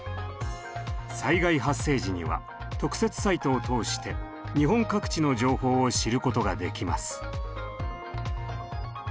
災害発生時には特設サイトを通して日本各地の情報を知ることができます。